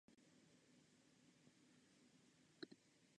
Another major section of a Sirius receiver is the tuner.